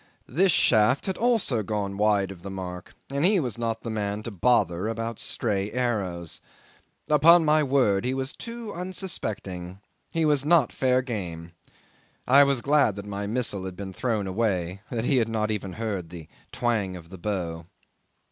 This shaft had also gone wide of the mark, and he was not the man to bother about stray arrows. Upon my word, he was too unsuspecting; he was not fair game. I was glad that my missile had been thrown away, that he had not even heard the twang of the bow.